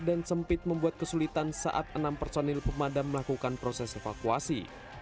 dan sempit membuat kesulitan saat enam personil pemadam melakukan proses evakuasi